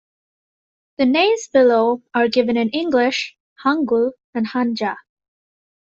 The names below are given in English, hangul, and hanja.